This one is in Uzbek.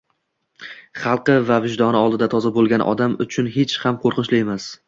xalqi va vijdoni oldida toza bo‘lgan odam uchun hech ham qo‘rqinchli emas.